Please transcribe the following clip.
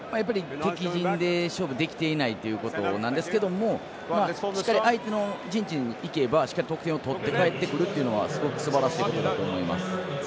敵陣で勝負できていないということなんですけどしっかり相手の陣地にいけばしっかり得点を取って帰ってくるというのはすごくすばらしいことだと思います。